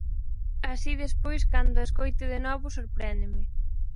Así despois cando a escoite de novo sorpréndome.